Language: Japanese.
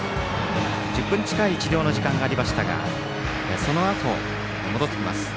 １０分近い治療の時間がありましたがそのあと戻ってきます。